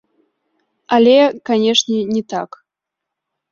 Але, канешне, не так.